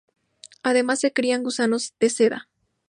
Además, se crían gusanos de seda.